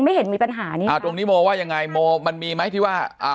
เห็นมีปัญหานี้อ่าตรงนี้โมว่ายังไงโมมันมีไหมที่ว่าอ่า